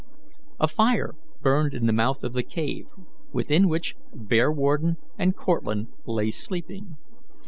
A fire burned in the mouth of the cave, within which Bearwarden and Cortlandt lay sleeping.